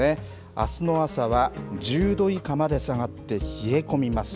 あすの朝は１０度以下まで下がって冷え込みます。